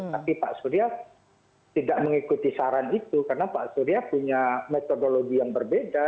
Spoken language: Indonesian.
tapi pak surya tidak mengikuti saran itu karena pak surya punya metodologi yang berbeda